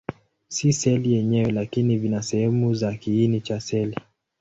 Si seli yenyewe, lakini vina sehemu za kiini cha seli.